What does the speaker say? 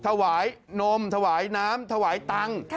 ถวายนมถวายน้ำถวายตังค์